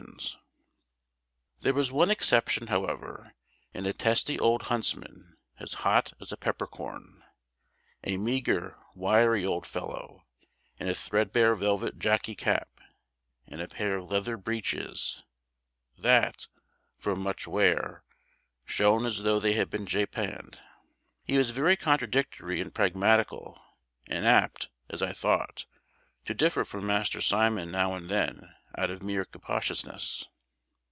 [Illustration: "Several unhappy birds in durance"] There was one exception, however, in a testy old huntsman, as hot as a pepper corn; a meagre, wiry old fellow, in a threadbare velvet jockey cap, and a pair of leather breeches, that, from much wear, shone as though they had been japanned. He was very contradictory and pragmatical, and apt, as I thought, to differ from Master Simon now and then out of mere captiousness.